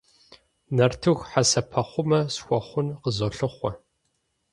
Нартыху хьэсэпэхъумэ схуэхъун къызолъыхъуэ.